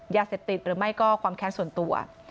ยาเศษติดหรือไม่ก็ความแค้นส่วนตัว